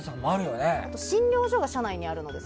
あと診療所が社内にあるので。